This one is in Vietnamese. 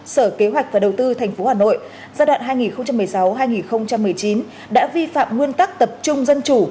sở kế hoạch và đầu tư tp hà nội giai đoạn hai nghìn một mươi sáu hai nghìn một mươi chín đã vi phạm nguyên tắc tập trung dân chủ